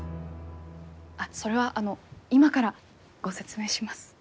あっそれはあの今からご説明します。